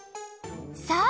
そう！